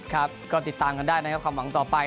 ครับก็ติดตามกันได้นะครับความหวังต่อไป